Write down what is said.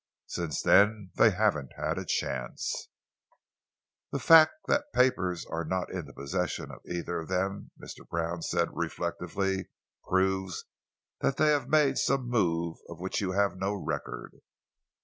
Since then they haven't had a chance." "The fact that the papers are not in the possession of either of them," Mr. Brown said reflectively, "proves that they made some move of which you have no record."